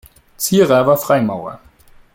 Ziehrer war Freimaurer.